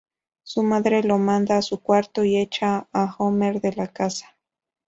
Su madre lo manda a su cuarto y echa a Homer de la casa.